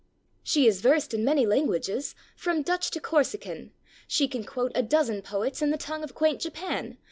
4 * She is versed in many languages, from Dutch to Corsican; She can quote a dozen poets in the tongue of quaint Japan.